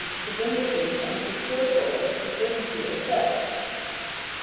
to vindicate and secure for it the certainty of self.